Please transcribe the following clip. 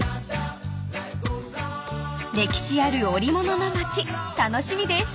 ［歴史ある織物の町楽しみです］